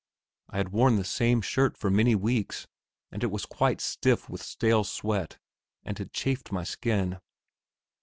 I had worn the same shirt for many weeks, and it was quite stiff with stale sweat, and had chafed my skin.